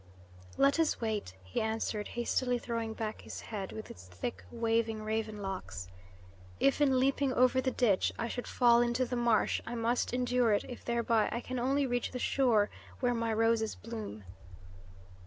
"Let us wait," he answered, hastily throwing back his head, with its thick, waving raven locks. "If, in leaping over the ditch, I should fall into the marsh, I must endure it, if thereby I can only reach the shore where my roses bloom!"